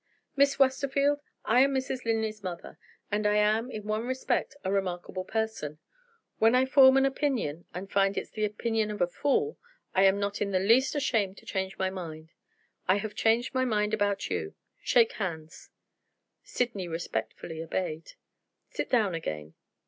"Miss Westerfield, I am Mrs. Linley's mother. And I am, in one respect, a remarkable person. When I form an opinion and find it's the opinion of a fool, I am not in the least ashamed to change my mind. I have changed my mind about you. Shake hands." Sydney respectfully obeyed. "Sit down again."